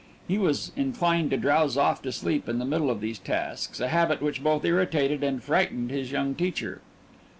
He was inclined to drowse off to sleep in the middle of these tasks, a habit which both irritated and frightened his young teacher.